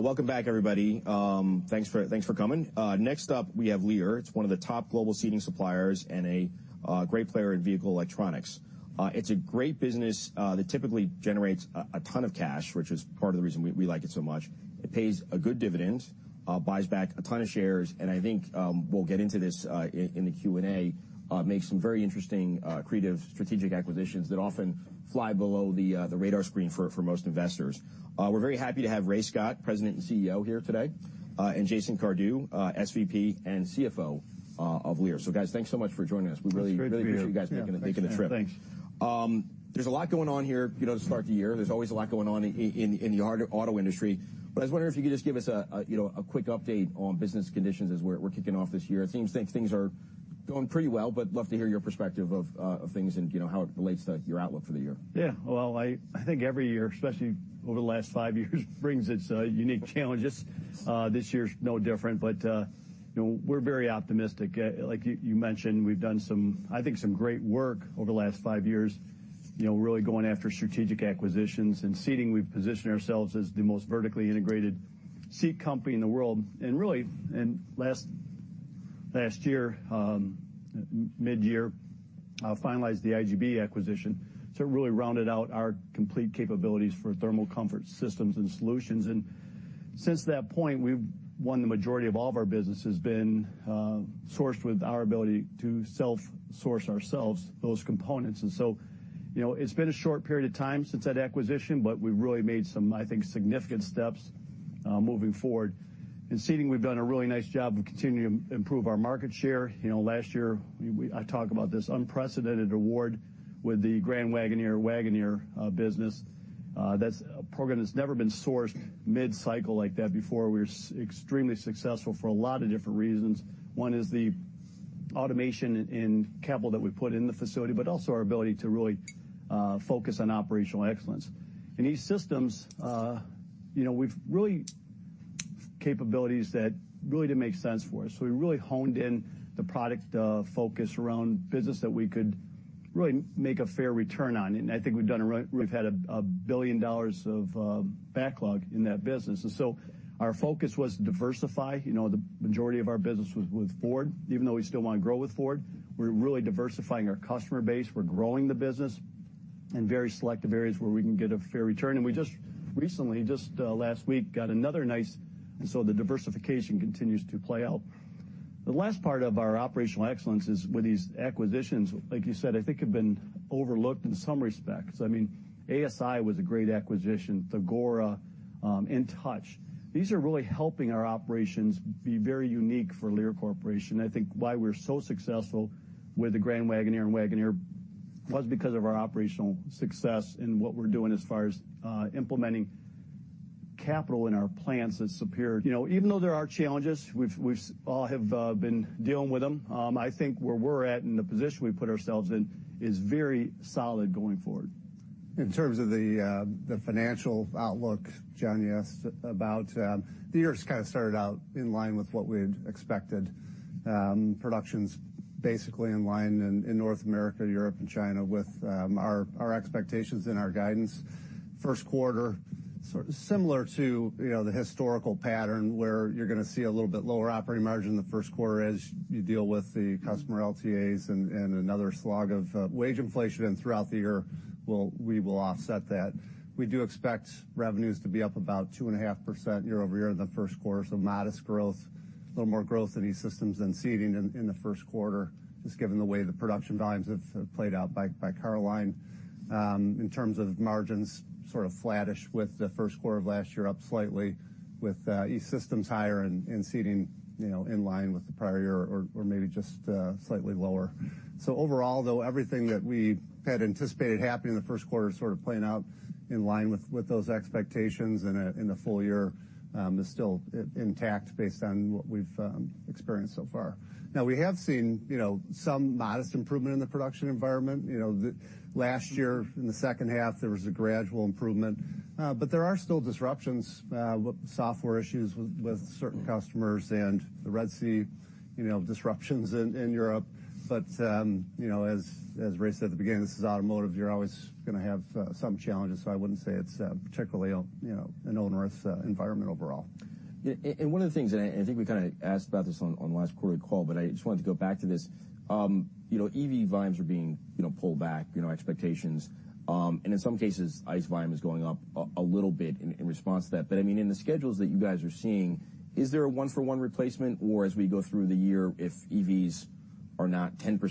Welcome back, everybody. Thanks for coming. Next up, we have Lear. It's one of the top global seating suppliers and a great player in vehicle electronics. It's a great business that typically generates a ton of cash, which is part of the reason we like it so much. It pays a good dividend, buys back a ton of shares, and I think we'll get into this in the Q&A, makes some very interesting creative strategic acquisitions that often fly below the radar screen for most investors. We're very happy to have Ray Scott, President and CEO here today, and Jason Cardew, SVP and CFO, of Lear. So guys, thanks so much for joining us. It's great to be here. We really appreciate you guys making the trip. Yeah, thanks, man. Thanks. There's a lot going on here, you know, to start the year. There's always a lot going on in the auto industry. But I was wondering if you could just give us, you know, a quick update on business conditions as we're kicking off this year. It seems things are going pretty well, but love to hear your perspective of things and, you know, how it relates to your outlook for the year. Yeah. Well, I think every year, especially over the last five years, brings its unique challenges. This year's no different, but you know, we're very optimistic. Like you mentioned, we've done some, I think some great work over the last five years, you know, really going after strategic acquisitions. In seating, we've positioned ourselves as the most vertically integrated seat company in the world. And really, in last, last year, midyear, finalized the IGB acquisition, so it really rounded out our complete capabilities for thermal comfort systems and solutions. And since that point, we've won the majority of all of our business has been sourced with our ability to self-source ourselves, those components. And so, you know, it's been a short period of time since that acquisition, but we've really made some, I think, significant steps moving forward. In seating, we've done a really nice job of continuing to improve our market share. You know, last year I talked about this unprecedented award with the Grand Wagoneer, Wagoneer business. That's a program that's never been sourced mid-cycle like that before. We were extremely successful for a lot of different reasons. One is the automation and capital that we put in the facility, but also our ability to really focus on operational excellence. And these systems, you know, we've really capabilities that really didn't make sense for us. So we really honed in the product focus around business that we could really make a fair return on. And I think we've had a $1 billion of backlog in that business. And so our focus was to diversify. You know, the majority of our business was with Ford, even though we still want to grow with Ford. We're really diversifying our customer base. We're growing the business in very selective areas where we can get a fair return. We just recently, just last week, got another nice... The diversification continues to play out. The last part of our operational excellence is with these acquisitions, like you said. I think have been overlooked in some respects. I mean, ASI was a great acquisition. Thagora, InTouch, these are really helping our operations be very unique for Lear Corporation. I think why we're so successful with the Grand Wagoneer and Wagoneer was because of our operational success in what we're doing as far as implementing capital in our plants is superior. You know, even though there are challenges, we've all have been dealing with them. I think where we're at and the position we've put ourselves in is very solid going forward. In terms of the financial outlook, John, you asked about the year kind of started out in line with what we had expected. Production's basically in line in North America, Europe, and China with our expectations and our guidance. First quarter, sort of similar to, you know, the historical pattern, where you're gonna see a little bit lower operating margin in the first quarter as you deal with the customer LTAs and another slog of wage inflation, and throughout the year, we'll offset that. We do expect revenues to be up about 2.5% year-over-year in the first quarter, so modest growth, a little more growth in these systems than seating in the first quarter, just given the way the production volumes have played out by car line. In terms of margins, sort of flattish with the first quarter of last year, up slightly with E-Systems higher and seating, you know, in line with the prior year or maybe just slightly lower. So overall, though, everything that we had anticipated happening in the first quarter is sort of playing out in line with those expectations and in the full year is still intact based on what we've experienced so far. Now, we have seen, you know, some modest improvement in the production environment. You know, the last year, in the second half, there was a gradual improvement, but there are still disruptions with software issues with certain customers and the Red Sea, you know, disruptions in Europe. But you know, as Ray said at the beginning, this is automotive. You're always gonna have some challenges, so I wouldn't say it's particularly, you know, an owner's environment overall. Yeah, and one of the things, and I think we kind of asked about this on the last quarterly call, but I just wanted to go back to this. You know, EV volumes are being, you know, pulled back, you know, expectations. And in some cases, ICE volume is going up a little bit in response to that. But I mean, in the schedules that you guys are seeing, is there a one-for-one replacement, or as we go through the year, if EVs are not 10%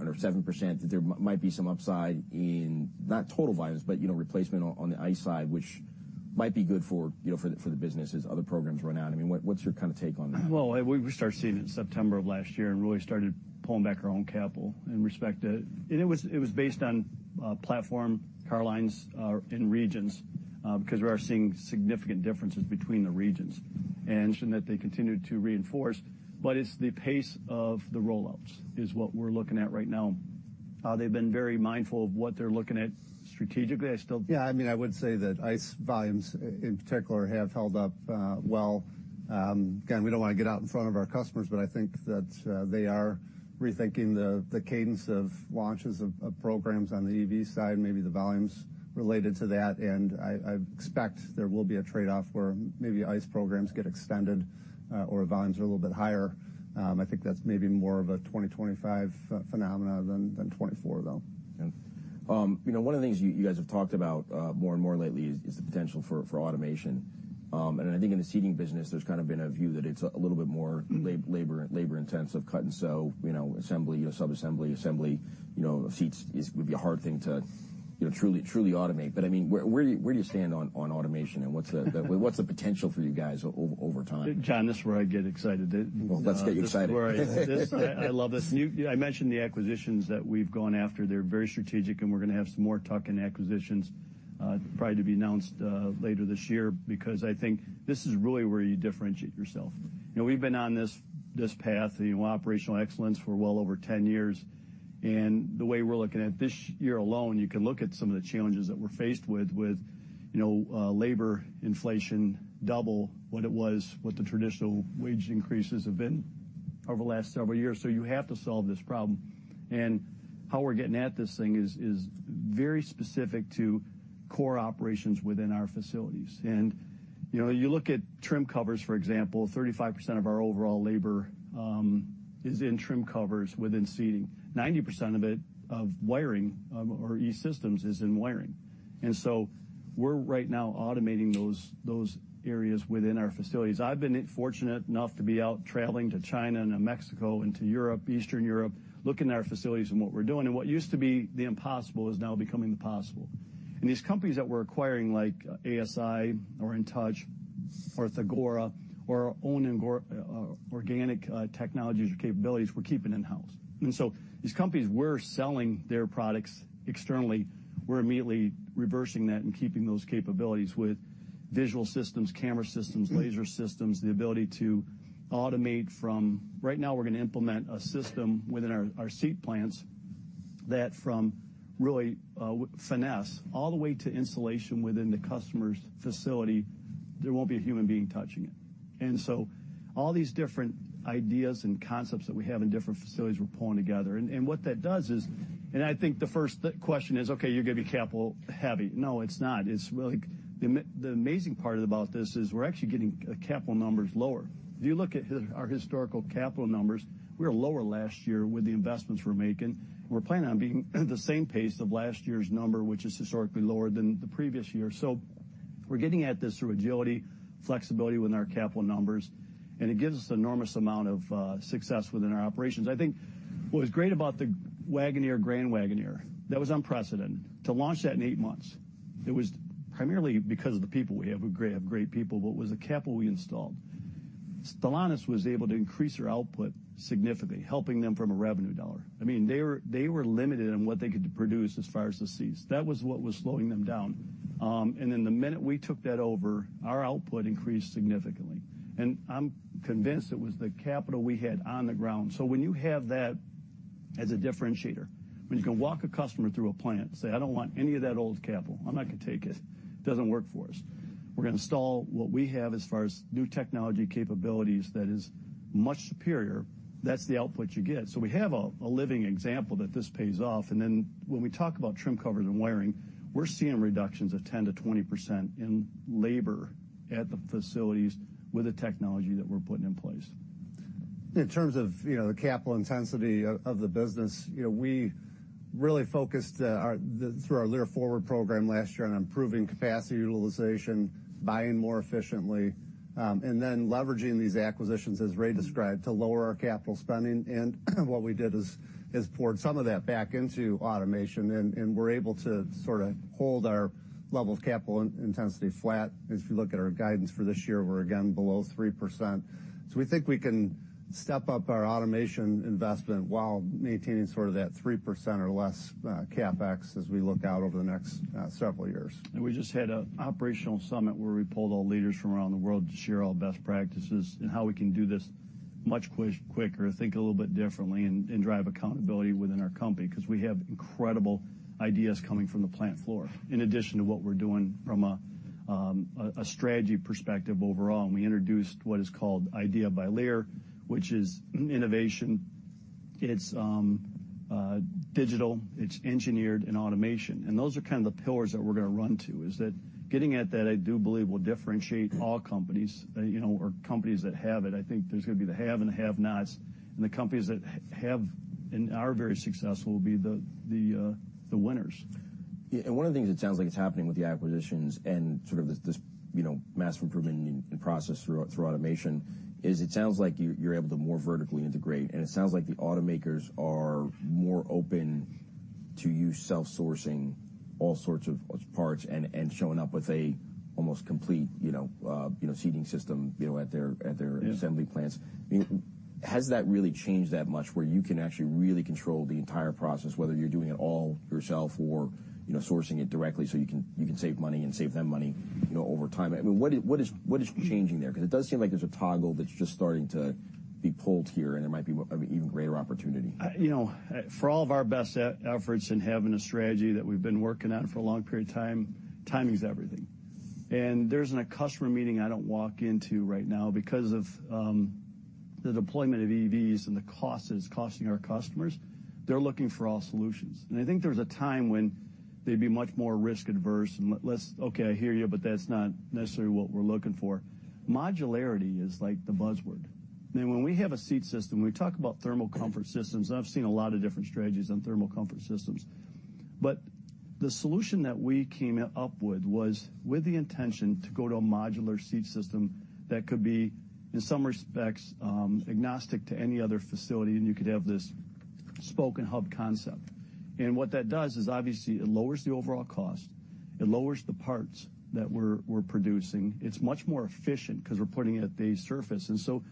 or 7%, that there might be some upside in, not total volumes, but, you know, replacement on the ICE side, which might be good for, you know, for the business as other programs run out? I mean, what's your kind of take on that? Well, we started seating it in September of last year and really started pulling back our own capital in respect to... And it was based on platform, car lines, and regions because we are seeing significant differences between the regions. And that they continued to reinforce, but it's the pace of the rollouts is what we're looking at right now. They've been very mindful of what they're looking at strategically. I still- Yeah, I mean, I would say that ICE volumes, in particular, have held up, well. Again, we don't want to get out in front of our customers, but I think that they are rethinking the cadence of launches of programs on the EV side, maybe the volumes related to that. And I expect there will be a trade-off where maybe ICE programs get extended, or volumes are a little bit higher. I think that's maybe more of a 2025 phenomenon than 2024, though. You know, one of the things you guys have talked about more and more lately is the potential for automation. And I think in the seating business, there's kind of been a view that it's a little bit more labor, labor intensive, cut and sew, you know, assembly, sub-assembly, assembly, you know, of seats is, would be a hard thing to, you know, truly automate. But, I mean, where do you stand on automation, and what's the potential for you guys over time? John, this is where I get excited. Well, let's get you excited. This is where I love this. I mentioned the acquisitions that we've gone after. They're very strategic, and we're gonna have some more talk in acquisitions, probably to be announced, later this year, because I think this is really where you differentiate yourself. You know, we've been on this path, you know, operational excellence for well over 10 years, and the way we're looking at it, this year alone, you can look at some of the challenges that we're faced with, with you know, labor inflation, double what it was, what the traditional wage increases have been over the last several years, so you have to solve this problem. And how we're getting at this thing is very specific to core operations within our facilities. And, you know, you look at trim covers, for example, 35% of our overall labor is in trim covers within seating. 90% of it, of wiring, or E-Systems, is in wiring. And so we're right now automating those areas within our facilities. I've been fortunate enough to be out traveling to China and to Mexico and to Europe, Eastern Europe, looking at our facilities and what we're doing, and what used to be the impossible is now becoming the possible. And these companies that we're acquiring, like ASI or InTouch or Thagora, or our own organic technologies or capabilities, we're keeping in-house. And so these companies were selling their products externally. We're immediately reversing that and keeping those capabilities with visual systems, camera systems, laser systems, the ability to automate from... Right now, we're gonna implement a system within our seat plants that from really finesse all the way to installation within the customer's facility, there won't be a human being touching it. And so all these different ideas and concepts that we have in different facilities, we're pulling together. And what that does is, I think the first question is, okay, you're gonna be capital heavy. No, it's not. It's really the amazing part about this is we're actually getting capital numbers lower. If you look at our historical capital numbers, we were lower last year with the investments we're making. We're planning on being at the same pace of last year's number, which is historically lower than the previous year. So we're getting at this through agility, flexibility with our capital numbers, and it gives us an enormous amount of success within our operations. I think what was great about the Wagoneer, Grand Wagoneer, that was unprecedented. To launch that in eight months, it was primarily because of the people we have. We have great people, but it was the capital we installed. Stellantis was able to increase their output significantly, helping them from a revenue dollar. I mean, they were limited in what they could produce as far as the seats. That was what was slowing them down. And then the minute we took that over, our output increased significantly, and I'm convinced it was the capital we had on the ground. So when you have that as a differentiator, when you can walk a customer through a plant and say, "I don't want any of that old capital, I'm not gonna take it, doesn't work for us, we're gonna install what we have as far as new technology capabilities, that is much superior," that's the output you get. So we have a living example that this pays off. And then when we talk about trim covers and wiring, we're seeing reductions of 10%-20% in labor at the facilities with the technology that we're putting in place. In terms of, you know, the capital intensity of the business, you know, we really focused our through our Lear Forward program last year on improving capacity utilization, buying more efficiently, and then leveraging these acquisitions, as Ray described, to lower our capital spending. What we did is poured some of that back into automation, and we're able to sort of hold our level of capital intensity flat. If you look at our guidance for this year, we're again below 3%. So we think we can step up our automation investment while maintaining sort of that 3% or less CapEx as we look out over the next several years. We just had an operational summit where we pulled all leaders from around the world to share all best practices and how we can do this much quicker, think a little bit differently, and drive accountability within our company, because we have incredible ideas coming from the plant floor. In addition to what we're doing from a strategy perspective overall, we introduced what is called IDEA by Lear, which is innovation, it's digital, it's engineered, and automation. And those are kind of the pillars that we're gonna run to. Is that getting at that? I do believe will differentiate all companies, you know, or companies that have it. I think there's gonna be the have and the have-nots, and the companies that have and are very successful will be the winners. Yeah, and one of the things that sounds like it's happening with the acquisitions and sort of this, you know, mass improvement in process through automation is it sounds like you're able to more vertically integrate, and it sounds like the automakers are more open to you self-sourcing all sorts of parts and showing up with almost complete, you know, seating system, you know, at their, at their- Yeah.... assembly plants. I mean, has that really changed that much, where you can actually really control the entire process, whether you're doing it all yourself or, you know, sourcing it directly so you can, you can save money and save them money, you know, over time? I mean, what is, what is, what is changing there? Because it does seem like there's a toggle that's just starting to... be pulled here, and there might be an even greater opportunity? You know, for all of our best efforts in having a strategy that we've been working on for a long period of time, timing is everything. And there isn't a customer meeting I don't walk into right now because of the deployment of EVs and the cost that it's costing our customers; they're looking for all solutions. And I think there was a time when they'd be much more risk averse and less, "Okay, I hear you, but that's not necessarily what we're looking for." Modularity is, like, the buzzword. And when we have a seat system, we talk about thermal comfort systems, and I've seen a lot of different strategies on thermal comfort systems. But the solution that we came up with was with the intention to go to a modular seat system that could be, in some respects, agnostic to any other facility, and you could have this spoke-and-hub concept. And what that does is, obviously, it lowers the overall cost, it lowers the parts that we're producing. It's much more efficient because we're putting it at the surface. And so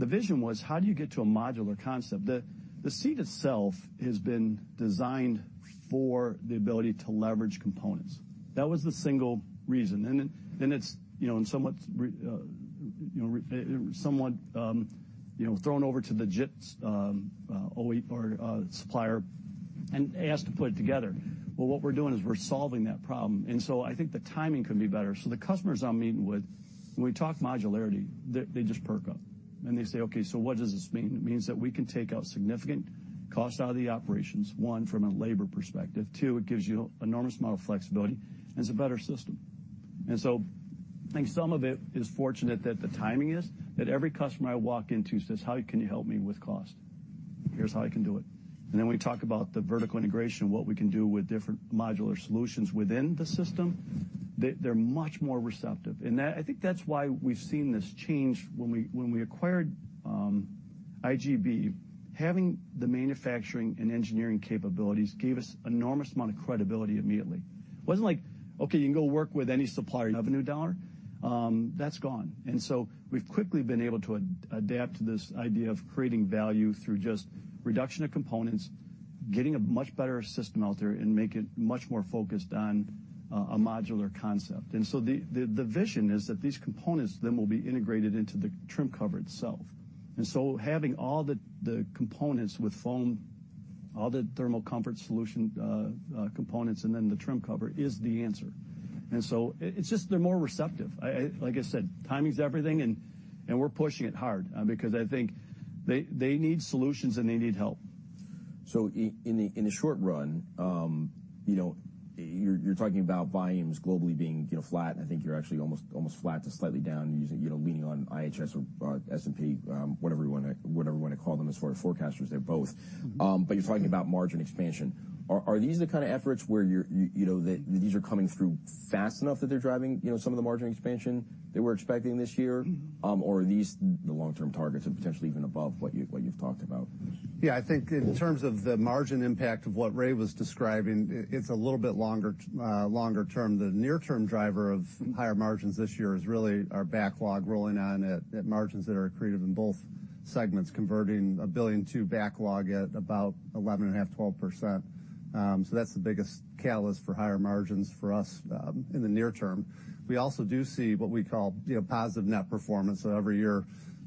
the vision was: How do you get to a modular concept? The seat itself has been designed for the ability to leverage components. That was the single reason. And then it's, you know, thrown over to the JIT or supplier and asked to put it together. Well, what we're doing is we're solving that problem, and so I think the timing could be better. So the customers I'm meeting with, when we talk modularity, they, they just perk up and they say, "Okay, so what does this mean?" It means that we can take out significant cost out of the operations. One, from a labor perspective. Two, it gives you enormous amount of flexibility, and it's a better system. And so I think some of it is fortunate that the timing is, that every customer I walk into says, "How can you help me with cost?" Here's how I can do it. And then we talk about the vertical integration and what we can do with different modular solutions within the system. They're much more receptive. And that, I think that's why we've seen this change. When we acquired IGB, having the manufacturing and engineering capabilities gave us enormous amount of credibility immediately. It wasn't like, "Okay, you can go work with any supplier, another new supplier." That's gone. And so we've quickly been able to adapt to this idea of creating value through just reduction of components, getting a much better system out there, and make it much more focused on a modular concept. And so the vision is that these components then will be integrated into the trim cover itself. And so having all the components with foam, all the thermal comfort solution components, and then the trim cover is the answer. And so it's just they're more receptive. I—like I said, timing is everything, and we're pushing it hard, because I think they need solutions, and they need help. So in the short run, you know, you're talking about volumes globally being, you know, flat, and I think you're actually almost flat to slightly down, using, you know, leaning on IHS or S&P, whatever you want to call them as far as forecasters. They're both. But you're talking about margin expansion. Are these the kind of efforts where you know that these are coming through fast enough that they're driving, you know, some of the margin expansion that we're expecting this year? Or are these the long-term targets and potentially even above what you've talked about? Yeah, I think in terms of the margin impact of what Ray was describing, it's a little bit longer term. The near-term driver of higher margins this year is really our backlog rolling on at margins that are accretive in both segments, converting $1 billion to backlog at about 11.5%-12%. So that's the biggest catalyst for higher margins for us in the near term. We also do see what we call, you know, positive net performance. So every year,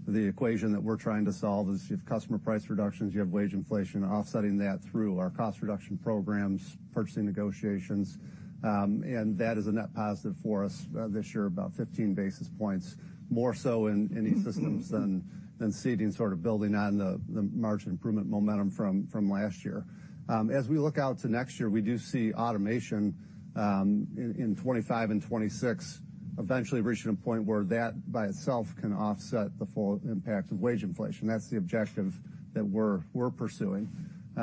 the equation that we're trying to solve is you have customer price reductions, you have wage inflation, offsetting that through our cost reduction programs, purchasing negotiations, and that is a net positive for us, this year, about 15 basis points, more so in E-Systems than seating, sort of building on the margin improvement momentum from last year. As we look out to next year, we do see automation in 2025 and 2026, eventually reaching a point where that, by itself, can offset the full impact of wage inflation. That's the objective that we're pursuing. You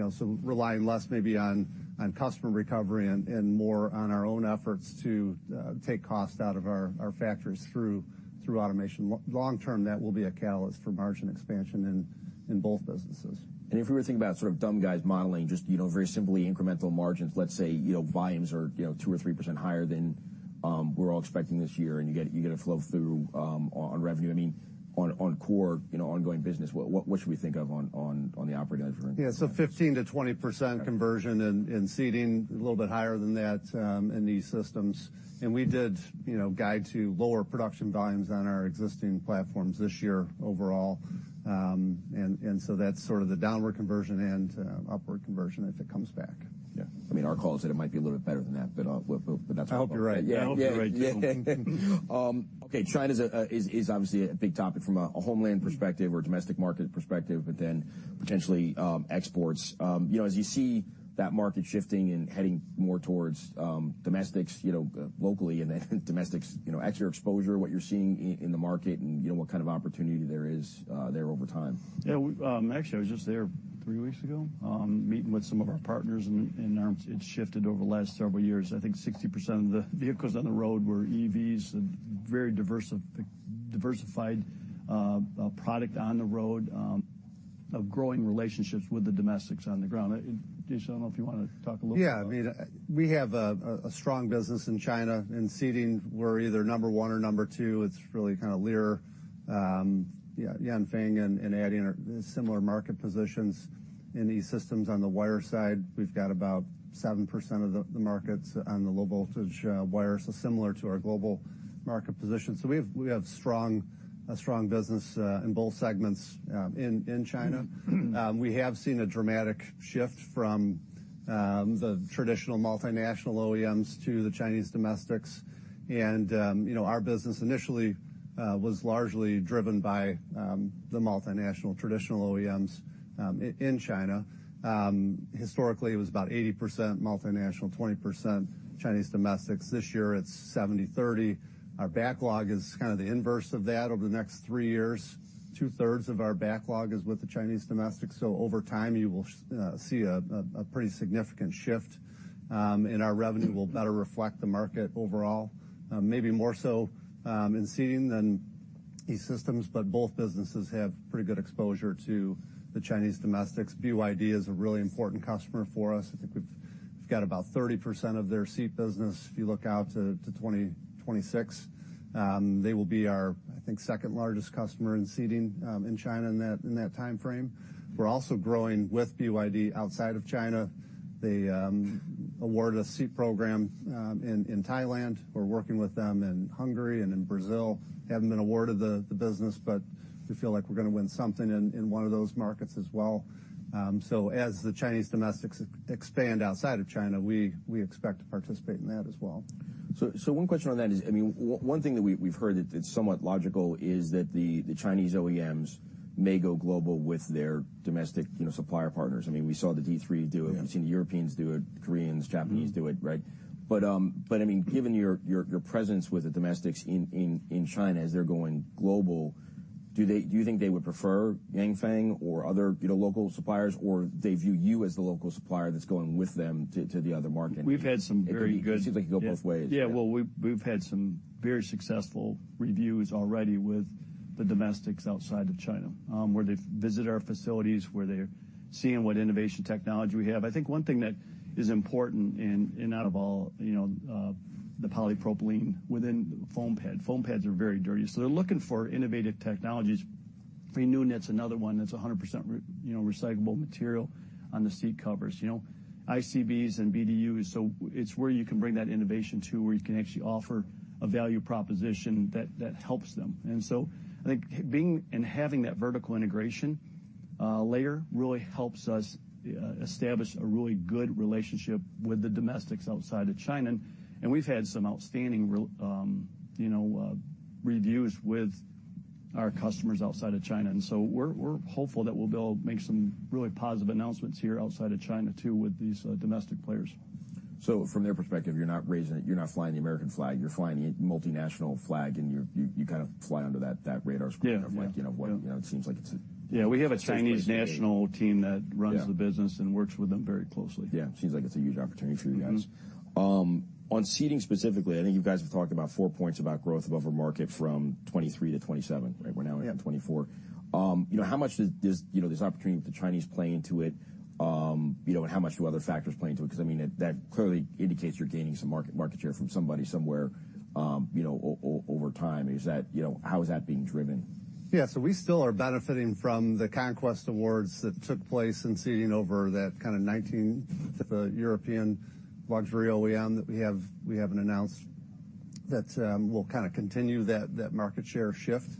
know, so relying less maybe on customer recovery and more on our own efforts to take cost out of our factories through automation. Long term, that will be a catalyst for margin expansion in both businesses. If we were thinking about sort of dumb guys modeling, just, you know, very simply, incremental margins, let's say, you know, volumes are, you know, 2%-3% higher than we're all expecting this year, and you get, you get a flow through on revenue. I mean, on, on core, you know, ongoing business, what, what should we think of on, on, on the operating edge front? Yeah, so 15%-20% conversion in seating, a little bit higher than that in these systems. And we did, you know, guide to lower production volumes on our existing platforms this year overall. And so that's sort of the downward conversion and upward conversion if it comes back. Yeah. I mean, our call is that it might be a little bit better than that, but that's- I hope you're right. Yeah. I hope you're right, too. Okay, China's is obviously a big topic from a homeland perspective or domestic market perspective, but then potentially exports. You know, as you see that market shifting and heading more towards domestics, you know, locally, and then domestics, you know, at your exposure, what you're seeing in the market and, you know, what kind of opportunity there is there over time? Yeah, we... Actually, I was just there three weeks ago, meeting with some of our partners, and, it's shifted over the last several years. I think 60% of the vehicles on the road were EVs, a very diversified product on the road, of growing relationships with the domestics on the ground. Jason, I don't know if you want to talk a little about- Yeah, I mean, we have a strong business in China. In seating, we're either number one or number two. It's really kind of Lear, yeah, Yanfeng and adding similar market positions in these systems. On the wire side, we've got about 7% of the markets on the low-voltage wire, so similar to our global market position. So we have a strong business in both segments in China. We have seen a dramatic shift from the traditional multinational OEMs to the Chinese domestics. And, you know, our business initially was largely driven by the multinational traditional OEMs in China. Historically, it was about 80% multinational, 20% Chinese domestics. This year, it's 70%, 30%. Our backlog is kind of the inverse of that. Over the next three years, two-thirds of our backlog is with the Chinese domestics, so over time, you will see a pretty significant shift, and our revenue will better reflect the market overall. Maybe more so in seating than E-Systems, but both businesses have pretty good exposure to the Chinese domestics. BYD is a really important customer for us. I think we've got about 30% of their seat business. If you look out to 2026, they will be our, I think, second-largest customer in seating in China in that time frame. We're also growing with BYD outside of China. They awarded a seat program in Thailand. We're working with them in Hungary and in Brazil. Haven't been awarded the business, but we feel like we're gonna win something in one of those markets as well. So as the Chinese domestics expand outside of China, we expect to participate in that as well. So, one question on that is, I mean, one thing that we've heard that it's somewhat logical is that the Chinese OEMs may go global with their domestic, you know, supplier partners. I mean, we saw the D3 do it. Yeah. We've seen the Europeans do it, the Koreans, Japanese do it, right? But, I mean, given your presence with the domestics in China as they're going global, do they... Do you think they would prefer Yanfeng or other, you know, local suppliers, or they view you as the local supplier that's going with them to the other market? We've had some very good- It seems like it could go both ways. Yeah, well, we've had some very successful reviews already with the domestics outside of China, where they've visited our facilities, where they're seeing what innovation technology we have. I think one thing that is important in out of all, you know, the polypropylene within foam pad. Foam pads are very dirty, so they're looking for innovative technologies. ReNewKnit's another one that's 100% re- you know, recyclable material on the seat covers, you know? ICBs and BDU, so it's where you can bring that innovation to, where you can actually offer a value proposition that helps them. And so I think being and having that vertical integration layer really helps us establish a really good relationship with the domestics outside of China. We've had some outstanding reviews with our customers outside of China, you know, and so we're hopeful that we'll make some really positive announcements here outside of China, too, with these domestic players. So from their perspective, you're not raising it, you're not flying the American flag, you're flying the multinational flag, and you kind of fly under that radar screen- Yeah. of like, you know what? Yeah. It seems like it's a- Yeah, we have a Chinese national team that runs the business and works with them very closely. Yeah, seems like it's a huge opportunity for you guys. Mm-hmm. On seating specifically, I think you guys have talked about four points about growth above our market from 2023 to 2027, right? We're now in 2024. You know, how much does... You know, there's opportunity with the Chinese play into it. You know, and how much do other factors play into it? Because, I mean, that clearly indicates you're gaining some market share from somebody somewhere, you know, over time. Is that, you know, how is that being driven? Yeah, so we still are benefiting from the conquest awards that took place in seating over that kind of 2019, with a European luxury OEM that we have, we haven't announced, that will kind of continue that market share shift.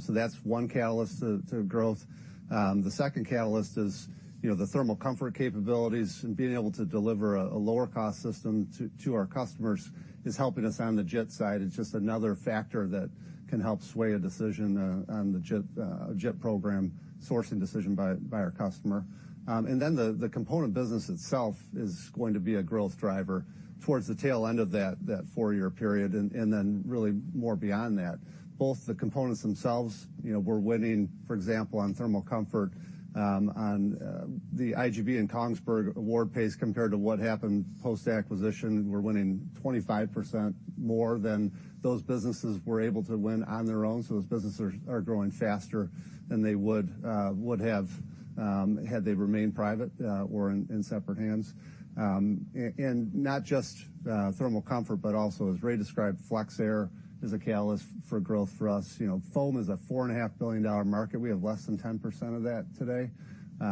So that's one catalyst to growth. The second catalyst is, you know, the thermal comfort capabilities and being able to deliver a lower-cost system to our customers is helping us on the seat side. It's just another factor that can help sway a decision on the seat program sourcing decision by our customer. And then the component business itself is going to be a growth driver towards the tail end of that four-year period, and then really more beyond that. Both the components themselves, you know, we're winning, for example, on thermal comfort, on the IGB and Kongsberg award pace, compared to what happened post-acquisition, we're winning 25% more than those businesses were able to win on their own, so those businesses are growing faster than they would have had they remained private or in separate hands. And not just thermal comfort, but also, as Ray described, FlexAir as a catalyst for growth for us. You know, foam is a $4.5 billion market. We have less than 10% of that today.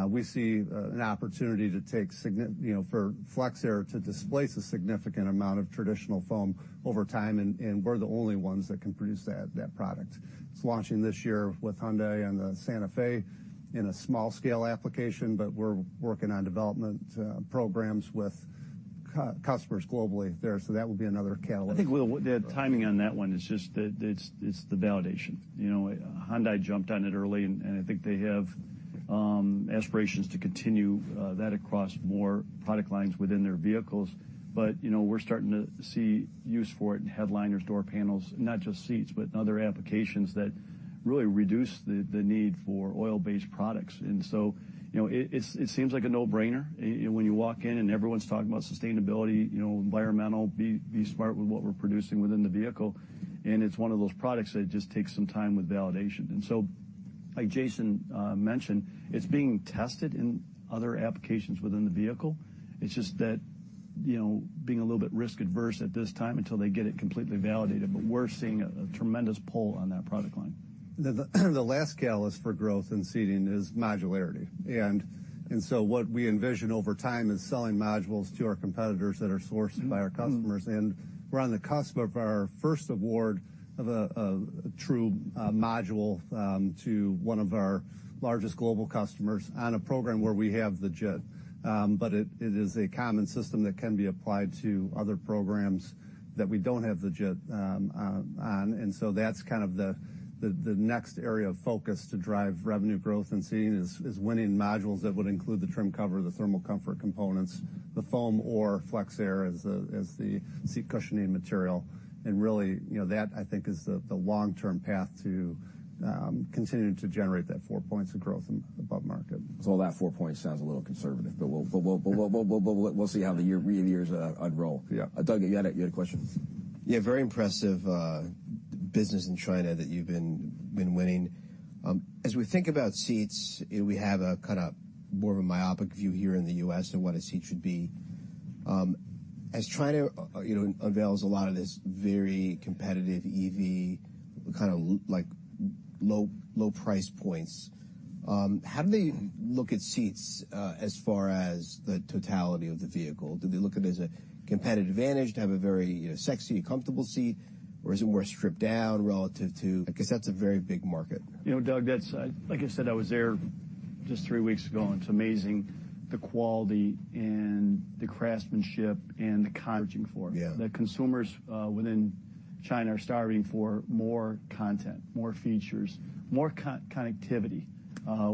We see an opportunity, you know, for FlexAir to displace a significant amount of traditional foam over time, and we're the only ones that can produce that product. It's launching this year with Hyundai and the Santa Fe in a small-scale application, but we're working on development programs with customers globally there, so that will be another catalyst. I think, well, the timing on that one is just the, it's the validation. You know, Hyundai jumped on it early, and I think they have aspirations to continue that across more product lines within their vehicles. But, you know, we're starting to see use for it in headliners, door panels, not just seats, but in other applications that really reduce the need for oil-based products. And so, you know, it seems like a no-brainer, you know, when you walk in and everyone's talking about sustainability, you know, environmental, be smart with what we're producing within the vehicle, and it's one of those products that just takes some time with validation. And so, like Jason mentioned, it's being tested in other applications within the vehicle. It's just that, you know, being a little bit risk-averse at this time until they get it completely validated, but we're seeing a tremendous pull on that product line. The last catalyst for growth in seating is modularity. And so what we envision over time is selling modules to our competitors that are sourced by our customers. And we're on the cusp of our first award of a true module to one of our largest global customers on a program where we have the JIT. But it is a common system that can be applied to other programs that we don't have the JIT on. And so that's kind of the next area of focus to drive revenue growth in seating is winning modules that would include the trim cover, the thermal comfort components, the foam or FlexAir as the seat cushioning material. And really, you know, that I think is the long-term path to continuing to generate that four points of growth above market. So that four points sounds a little conservative, but we'll see how the years unroll. Yeah. Doug, you had a question? Yeah, very impressive business in China that you've been winning. As we think about seats, we have a kind of more of a myopic view here in the U.S. than what a seat should be. As China, you know, unveils a lot of this very competitive EV, kind of like low price points, how do they look at seats as far as the totality of the vehicle? Do they look at it as a competitive advantage to have a very, you know, sexy, comfortable seat, or is it more stripped down relative to... Because that's a very big market. You know, Doug, that's, like I said, I was there just three weeks ago, and it's amazing the quality and the craftsmanship and the cushioning force. Yeah. The consumers within China are starving for more content, more features, more connectivity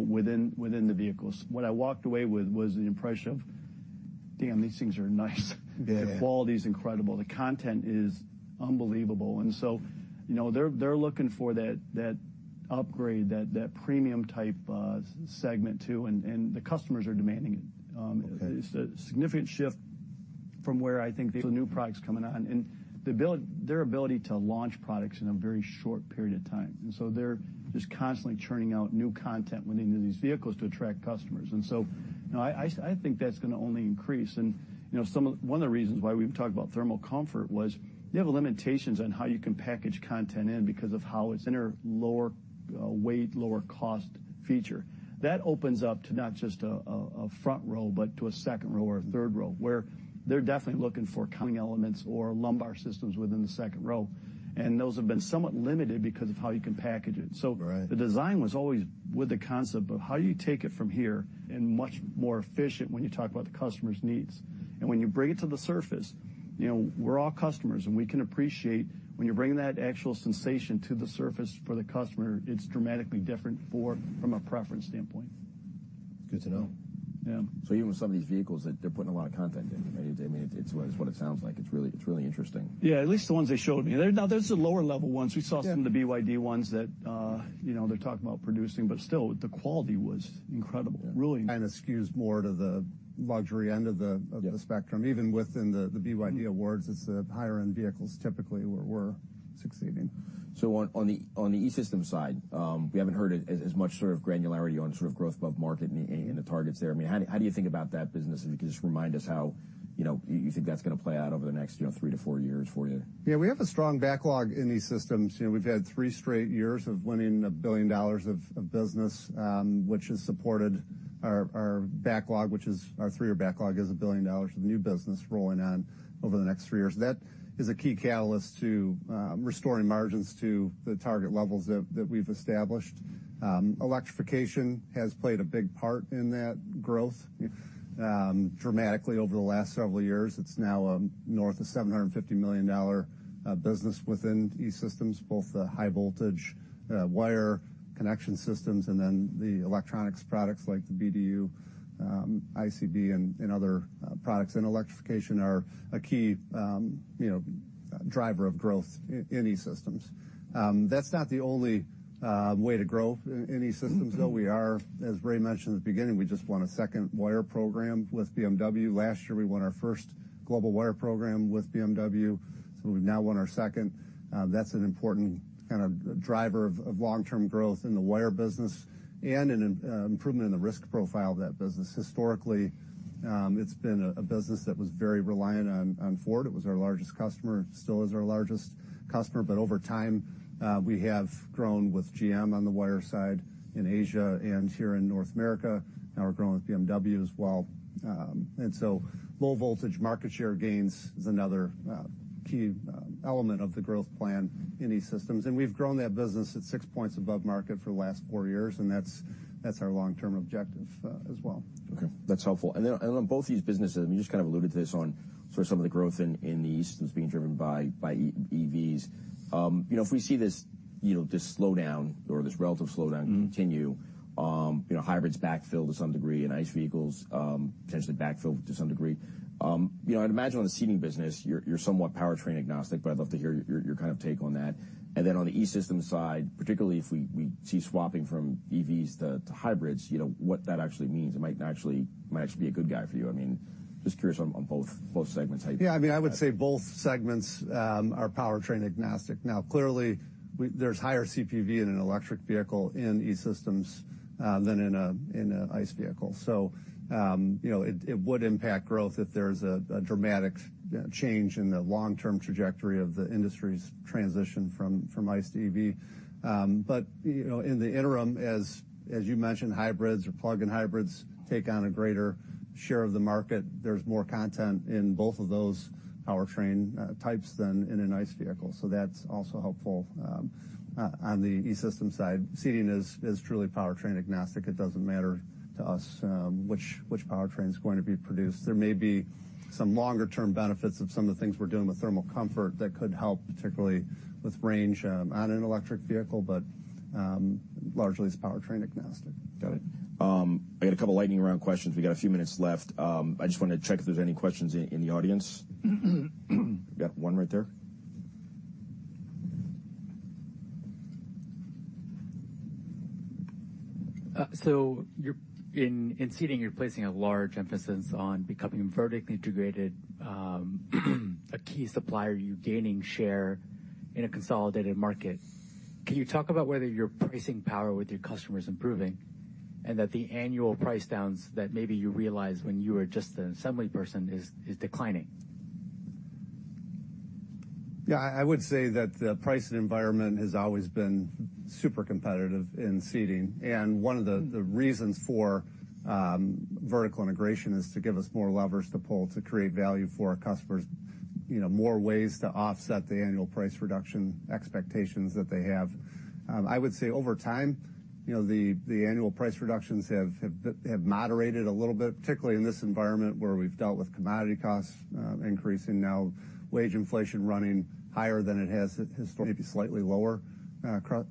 within the vehicles. What I walked away with was the impression of, damn, these things are nice. Yeah. The quality is incredible, the content is unbelievable. And so, you know, they're looking for that upgrade, that premium type segment too, and the customers are demanding it. Okay. It's a significant shift from where I think the new products coming on, and their ability to launch products in a very short period of time. And so they're just constantly churning out new content within these vehicles to attract customers. And so I think that's gonna only increase. And, you know, one of the reasons why we've talked about thermal comfort was, you have limitations on how you can package content in because of how it's in a lower weight, lower cost feature. That opens up to not just a front row, but to a second row or a third row, where they're definitely looking for heating elements or lumbar systems within the second row, and those have been somewhat limited because of how you can package it. Right. The design was always with the concept of how you take it from here, and much more efficient when you talk about the customer's needs. When you bring it to the surface, you know, we're all customers, and we can appreciate when you're bringing that actual sensation to the surface for the customer, it's dramatically different for, from a preference standpoint. Good to know. Yeah. Even some of these vehicles, they're putting a lot of content in. I mean, it's what it sounds like. It's really, it's really interesting. Yeah, at least the ones they showed me. Now, there's the lower level ones. We saw some of the BYD ones that, you know, they're talking about producing, but still, the quality was incredible. Really- Skews more to the luxury end of the- Yeah.... of the spectrum. Even within the BYD awards, it's the higher end vehicles typically where we're succeeding. So on the E-Systems side, we haven't heard as much sort of granularity on sort of growth above market and the targets there. I mean, how do you think about that business? And can you just remind us how, you know, you think that's gonna play out over the next, you know, three to four years for you? Yeah, we have a strong backlog in these systems. You know, we've had three straight years of winning $1 billion of business, which has supported our backlog, which is our three-year backlog, is $1 billion of new business rolling on over the next three years. That is a key catalyst to restoring margins to the target levels that we've established. Electrification has played a big part in that growth, dramatically over the last several years. It's now north of $750 million business within E-Systems, both the high-voltage wire connection systems, and then the electronics products like the BDU, ICB, and other products. And electrification are a key, you know, driver of growth in E-Systems. That's not the only way to grow in E-Systems, though we are, as Ray mentioned at the beginning, we just won a second wire program with BMW. Last year, we won our first global wire program with BMW, so we've now won our second. That's an important kind of driver of long-term growth in the wire business and in improvement in the risk profile of that business. Historically, it's been a business that was very reliant on Ford. It was our largest customer, still is our largest customer, but over time, we have grown with GM on the wire side in Asia and here in North America. Now we're growing with BMW as well. Low voltage market share gains is another key element of the growth plan in E-Systems, and we've grown that business at six points above market for the last four years, and that's, that's our long-term objective as well. Okay, that's helpful. And then on both these businesses, and you just kind of alluded to this on sort of some of the growth in the East that's being driven by EVs. You know, if we see this, you know, this slowdown or this relative slowdown continue, you know, hybrids backfill to some degree, and ICE vehicles potentially backfill to some degree, you know, I'd imagine on the Seating business, you're somewhat powertrain agnostic, but I'd love to hear your kind of take on that. And then on the E-Systems side, particularly if we see swapping from EVs to hybrids, you know, what that actually means. It might not actually, might actually be a good guy for you. I mean, just curious on both segments, how you- Yeah, I mean, I would say both segments are powertrain agnostic. Now, clearly, there's higher CPV in an electric vehicle in E-Systems than in an ICE vehicle. So, you know, it would impact growth if there's a dramatic change in the long-term trajectory of the industry's transition from ICE to EV. But, you know, in the interim, as you mentioned, hybrids or plug-in hybrids take on a greater share of the market, there's more content in both of those powertrain types than in an ICE vehicle. So that's also helpful on the E-Systems side. Seating is truly powertrain agnostic. It doesn't matter to us which powertrain is going to be produced. There may be some longer term benefits of some of the things we're doing with thermal comfort that could help, particularly with range, on an electric vehicle, but largely it's powertrain agnostic. Got it. I got a couple of lightning round questions. We got a few minutes left. I just want to check if there's any questions in the audience. We got one right there. So you're in seating, you're placing a large emphasis on becoming vertically integrated. A key supplier, you're gaining share in a consolidated market. Can you talk about whether your pricing power with your customers improving and that the annual price downs that maybe you realize when you were just an assembly person is declining? Yeah, I would say that the pricing environment has always been super competitive in seating, and one of the reasons for vertical integration is to give us more levers to pull, to create value for our customers, you know, more ways to offset the annual price reduction expectations that they have. I would say over time, you know, the annual price reductions have moderated a little bit, particularly in this environment, where we've dealt with commodity costs increasing now, wage inflation running higher than it has historically, maybe slightly lower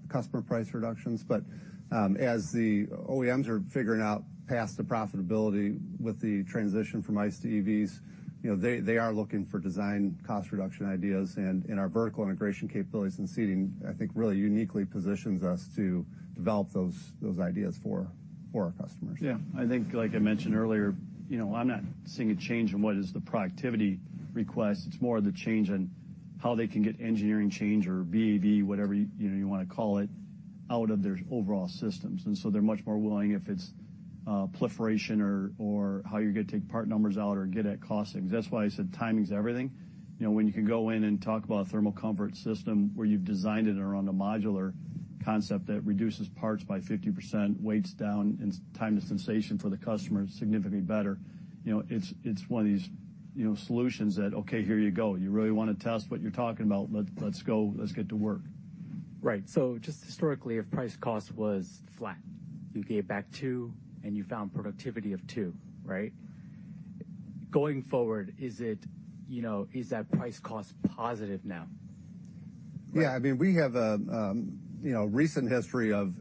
customer price reductions. As the OEMs are figuring out paths to profitability with the transition from ICE to EVs, you know, they are looking for design cost reduction ideas, and our vertical integration capabilities in seating, I think, really uniquely positions us to develop those ideas for our customers. Yeah. I think, like I mentioned earlier, you know, I'm not seeing a change in what is the productivity request. It's more of the change in how they can get engineering change or VAVE, whatever you, you know, you wanna call it, out of their overall systems. So they're much more willing if it's proliferation or how you're going to take part numbers out or get at costing. That's why I said timing's everything. You know, when you can go in and talk about a thermal comfort system where you've designed it around a modular concept that reduces parts by 50%, weights down, and time to sensation for the customer is significantly better, you know, it's one of these, you know, solutions that: "Okay, here you go. You really want to test what you're talking about. Let's, let's go, let's get to work. Right. So just historically, if price cost was flat, you gave back 2, and you found productivity of two, right? Going forward, is it, you know, is that price cost positive now? Yeah, I mean, we have you know, recent history of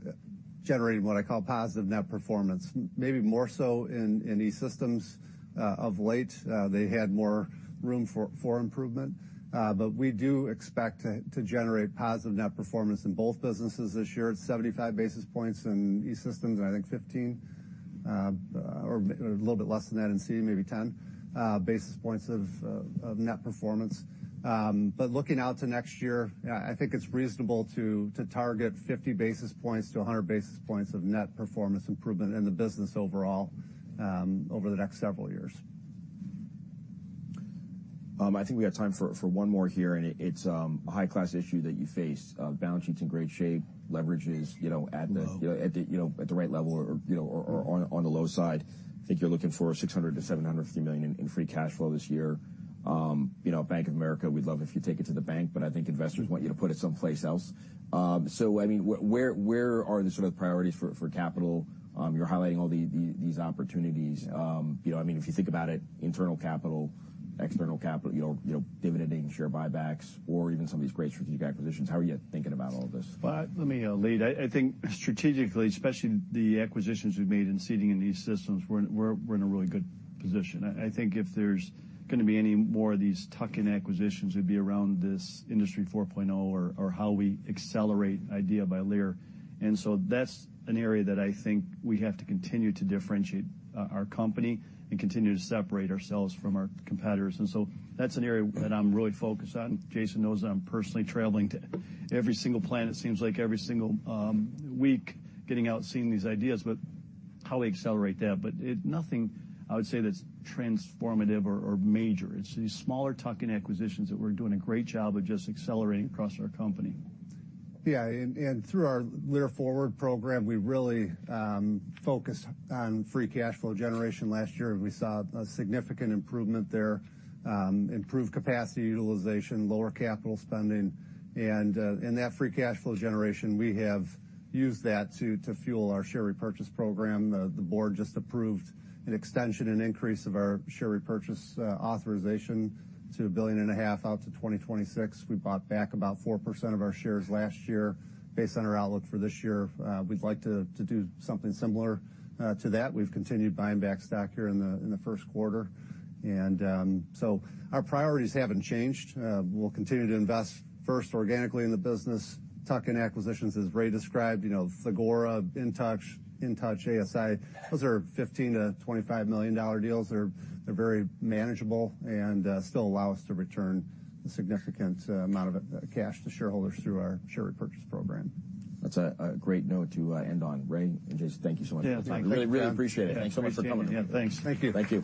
generating what I call positive net performance. Maybe more so in E-Systems. Of late, they had more room for improvement, but we do expect to generate positive net performance in both businesses this year. It's 75 basis points in E-Systems, and I think 15, or a little bit less than that in Seating, maybe 10 basis points of net performance. But looking out to next year, I think it's reasonable to target 50 basis points-100 basis points of net performance improvement in the business overall, over the next several years. I think we have time for one more here, and it's a high-class issue that you face. Balance sheet's in great shape, leverage is, you know, at the- Low. You know, at the right level or on the low side. I think you're looking for $600 million-$750 million in free cash flow this year. You know, Bank of America, we'd love if you take it to the bank, but I think investors want you to put it someplace else. So, I mean, where are the sort of priorities for capital? You're highlighting all these opportunities. You know, I mean, if you think about it, internal capital, external capital, you know, dividend and share buybacks or even some of these great strategic acquisitions, how are you thinking about all this? Let me lead. I think strategically, especially the acquisitions we've made in Seating and E-Systems, we're in a really good position. I think if there's gonna be any more of these tuck-in acquisitions, it'd be around this Industry 4.0 or how we accelerate IDEA by Lear. And so that's an area that I think we have to continue to differentiate our company and continue to separate ourselves from our competitors. And so that's an area that I'm really focused on. Jason knows that I'm personally traveling to every single plant, it seems like every single week, getting out, seeing these ideas, but how we accelerate that. But it's nothing, I would say, that's transformative or major. It's these smaller tuck-in acquisitions that we're doing a great job of just accelerating across our company. Yeah, through our Lear Forward program, we really focused on free cash flow generation last year, and we saw a significant improvement there. Improved capacity utilization, lower capital spending, and that free cash flow generation, we have used that to fuel our share repurchase program. The board just approved an extension and increase of our share repurchase authorization to $1.5 billion out to 2026. We bought back about 4% of our shares last year. Based on our outlook for this year, we'd like to do something similar to that. We've continued buying back stock here in the first quarter, and so our priorities haven't changed. We'll continue to invest first organically in the business, tuck-in acquisitions, as Ray described, you know, Thagora, InTouch, ASI. Those are $15 million-$25 million deals. They're very manageable and still allow us to return a significant amount of cash to shareholders through our share repurchase program. That's a great note to end on. Ray and Jason, thank you so much. Yeah, thank you. Yeah. Really, really appreciate it. Thanks so much for coming in. Thanks. Thank you. Thank you.